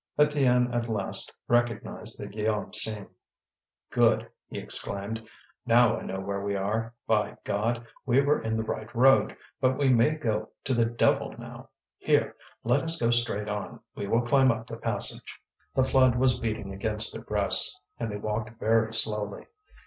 Étienne at last recognized the Guillaume seam. "Good!" he exclaimed. "Now I know where we are. By God! we were in the right road; but we may go to the devil now! Here, let us go straight on; we will climb up the passage." The flood was beating against their breasts, and they walked very slowly.